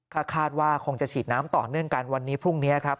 ก็คาดว่าคงจะฉีดน้ำต่อเนื่องกันวันนี้พรุ่งนี้ครับ